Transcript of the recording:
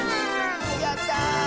やった！